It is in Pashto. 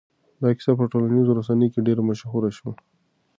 دا کيسه په ټولنيزو رسنيو کې ډېره مشهوره شوه.